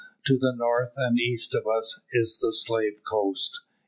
"To the north and east of us is the slave coast.